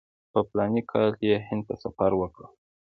په فلاني کال کې یې هند ته سفر وکړ.